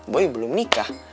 boy belum nikah